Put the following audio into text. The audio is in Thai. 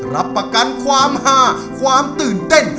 รับประกันความหาความตื่นเต้น